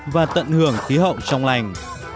và tận hưởng khí hậu trong lành